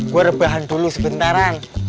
gue rebahan dulu sebentar an